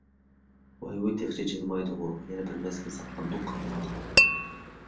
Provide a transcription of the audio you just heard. ۋاي-ۋۇي تېخىچە ئېچىلمايدىغۇ؟ يەنە بىر مەزگىل ساقلامدۇق قانداق؟